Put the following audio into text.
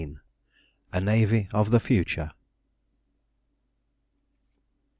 A NAVY OF THE FUTURE.